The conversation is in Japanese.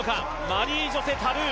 マリー・ジョセ・タルー。